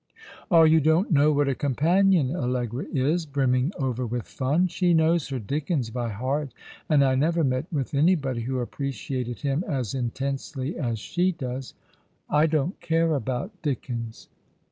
i"Ah, you don't know what a companion Allegra is — brimming over with fun ! She knows her Dickens by heart ; and I never met with anybody who appreciated him as in tensely as she does." "I don't care about Dickens."